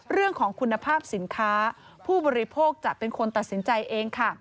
เรื่องของคุณภาพสินค้าผู้บริโภคจะเป็นคนตัดสินใจเองค่ะ